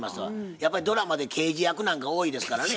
やっぱりドラマで刑事役なんか多いですからね。